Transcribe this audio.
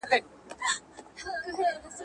آیا مور تر پلار زیاته مهربانه ده؟